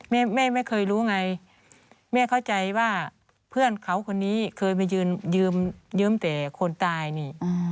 แม่ไม่เคยรู้ไงแม่เข้าใจว่าเพื่อนเขาคนนี้เคยมายืมแต่คนตายนี่